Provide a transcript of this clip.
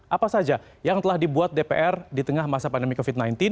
apa saja yang telah dibuat dpr di tengah masa pandemi covid sembilan belas